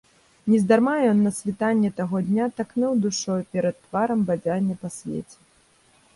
Нездарма ён на світанні таго дня так ныў душой перад тварам бадзяння па свеце.